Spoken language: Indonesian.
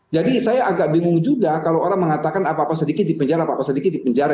jadi saya agak bingung juga kalau orang mengatakan apa apa sedikit di penjara apa apa sedikit di penjara